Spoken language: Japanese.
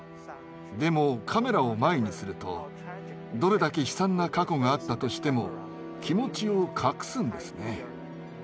でもカメラを前にするとどれだけ悲惨な過去があったとしても気持ちを隠すんですね。